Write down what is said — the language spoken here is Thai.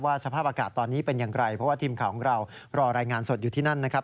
สภาพอากาศตอนนี้เป็นอย่างไรเพราะว่าทีมข่าวของเรารอรายงานสดอยู่ที่นั่นนะครับ